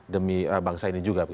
demi bangsa ini juga